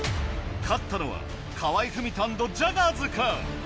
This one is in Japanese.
勝ったのは河合郁人＆ジャガーズか？